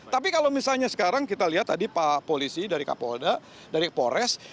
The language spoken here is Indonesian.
tapi kalau misalnya sekarang kita lihat tadi pak polisi dari kapolda dari polres